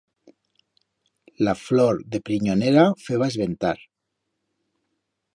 La flor de prinyonera feba esventar.